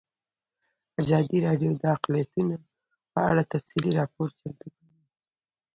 ازادي راډیو د اقلیتونه په اړه تفصیلي راپور چمتو کړی.